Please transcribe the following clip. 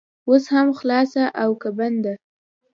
اوس هم خلاصه او که بنده؟